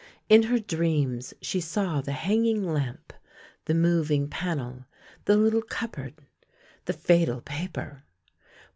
In her dreams she saw the hanging lamp, the moving panel, the little cupboard, the fatal paper.